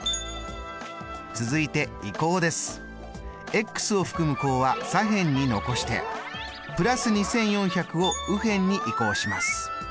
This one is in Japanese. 続いて移項です。を含む項は左辺に残して＋２４００を右辺に移項します。